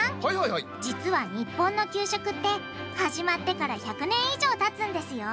実は日本の給食って始まってから１００年以上たつんですよ